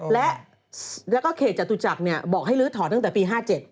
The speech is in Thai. แล้วก็เขตจตุจักรบอกให้ลื้อถอนตั้งแต่ปี๕๗